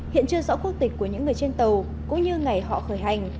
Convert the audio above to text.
hiện chưa rõ quốc tịch của những người trên tàu cũng như ngày họ khởi hành